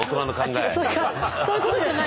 そういうことじゃないんだよ